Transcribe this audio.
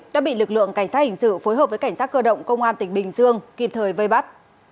đã bị lực lượng cảnh sát hình sự phối hợp với cảnh sát cơ động công an tỉnh bình dương kịp thời vây bắt